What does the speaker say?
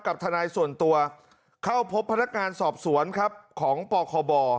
กับทนายส่วนตัวเข้าพบพนักงานสอบสวนครับของปคบ